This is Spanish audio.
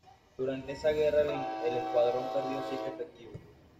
Durante esa guerra el Escuadrón perdió siete efectivos.